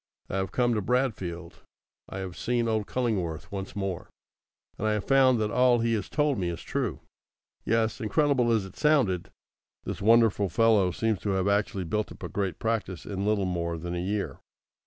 I have come to Bradfield. I have seen old Cullingworth once more, and I have found that all he has told me is true. Yes; incredible as it sounded, this wonderful fellow seems to have actually built up a great practice in little more than a year.